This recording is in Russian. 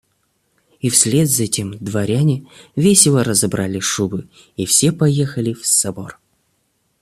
И вслед затем дворяне весело разобрали шубы, и все поехали в Собор.